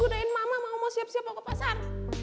udahin mama mau siap siap mau ke pasar